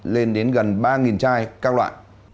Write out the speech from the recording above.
lên đến gần ba chai các loại